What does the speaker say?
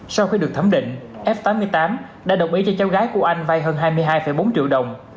sau khi được thẩm định f tám mươi tám đã đồng ý cho cháu gái của anh vay hơn hai mươi hai bốn triệu đồng